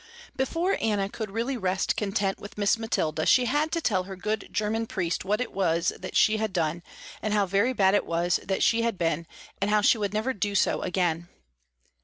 Before Anna could really rest content with Miss Mathilda, she had to tell her good german priest what it was that she had done, and how very bad it was that she had been and how she would never do so again.